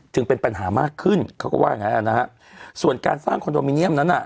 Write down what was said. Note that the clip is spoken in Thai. จึงเป็นปัญหามากขึ้นเขาก็ว่าอย่างงั้นอ่ะนะฮะส่วนการสร้างคอนโดมิเนียมนั้นอ่ะ